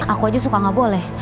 aku aja suka nggak boleh